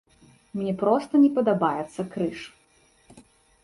Мне проста не падабаецца крыж.